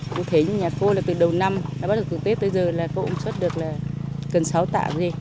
cụ thể nhà cô từ đầu năm bắt đầu từ tết tới giờ là cô cũng xuất được là cần sáu tạng dê